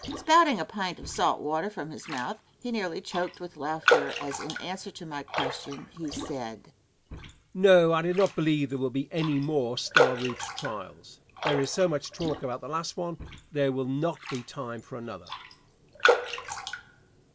Spouting a pint of salt water from his mouth, he nearly choked with laughter as in answer to my question he said:] No, I do not believe there will be any more Star Route trials. There is so much talk about the last one, there will not be time for another.